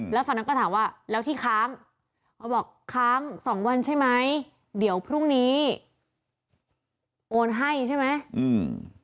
แล้วฝั่งนั้นก็ถามว่าแล้วที่ค้างเขาบอกค้างสองวันใช่ไหมเดี๋ยวพรุ่งนี้โอนให้ใช่ไหมอืม